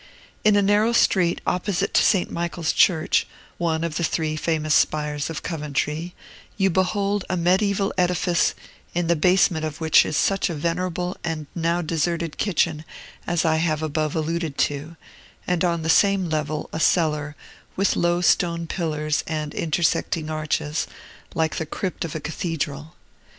In a narrow street, opposite to St. Michael's Church, one of the three famous spires of Coventry, you behold a mediaeval edifice, in the basement of which is such a venerable and now deserted kitchen as I have above alluded to, and, on the same level, a cellar, with low stone pillars and intersecting arches, like the crypt of a cathedral.